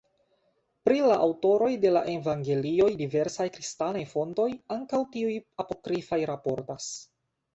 Pri la aŭtoroj de la evangelioj diversaj kristanaj fontoj, ankaŭ tiuj apokrifaj raportas.